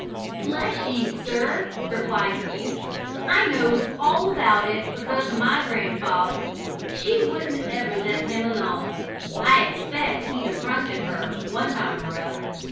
"Bless ye, sir," replied the youth, "I knows all about it because o' my grandfather. She wouldn't never let him alone. I expect he'd affronted her, one time or other.